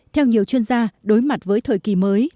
theo nhiều chuyên gia đối mặt với thời kỳ mới